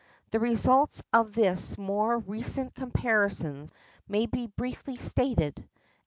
The results of this more recent comparison may be briefly stated.